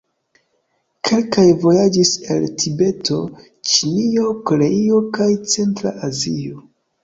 Kelkaj vojaĝis el Tibeto, Ĉinio, Koreio kaj centra Azio.